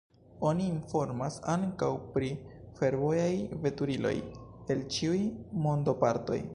Oni informas ankaŭ pri fervojaj veturiloj el ĉiuj mondopartoj.